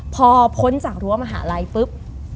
พอพ้นจากรั้วมหาลัยปุ๊บ